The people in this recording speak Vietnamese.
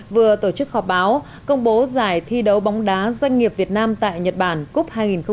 vừa tổ chức họp báo công bố giải thi đấu bóng đá doanh nghiệp việt nam tại nhật bản cup hai nghìn một mươi tám